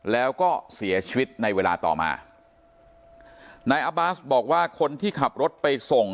แล้วก็เสียชีวิตในเวลาต่อมานายอาบาสบอกว่าคนที่ขับรถไปส่ง